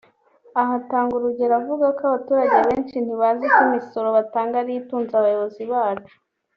Aha atanga urugero avuga ko abatutrage benshi ntibazi ko imisoro batanga ariyo itunze abayobozi bacu